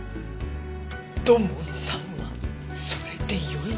土門さんはそれでよいのか？